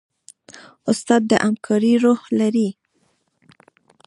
استاد د همکارۍ روح لري.